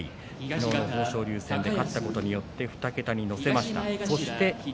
昨日の豊昇龍戦に勝ったことによって２桁に乗せました。